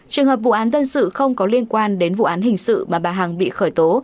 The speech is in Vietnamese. trường hợp vụ án dân sự không có liên quan đến vụ án hình sự mà bà hằng bị khởi tố